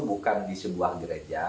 bukan di sebuah gereja